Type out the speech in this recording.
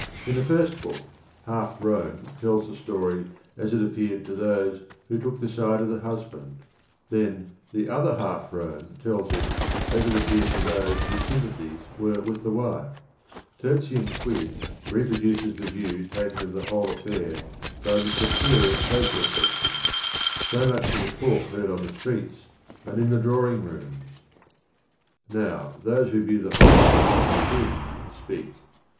In th e first book H jjf Rome tells the story as it apr °nr?rl tn tn"i" wh& Jook the side of" th e Tiusban d. Then The Other Half R ome tells it as it appeared to those wh ose sympathies were withThTwife Terti um Quid reproduces the view takenj>fjlEfilSujle_af fak by dm "superior sOct aTsec tion." So much for the talk heard uu the streets and in the drawing rooms 1 • Now those who view the whole matter from within speak.